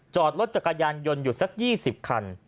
จอดรถจักรยานยนต์อยู่สัก๒๐คัน